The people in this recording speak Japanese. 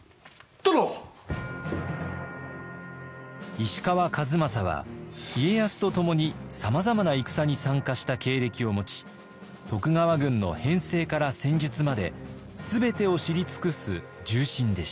石川数正は家康と共にさまざまな戦に参加した経歴を持ち徳川軍の編制から戦術まで全てを知り尽くす重臣でした。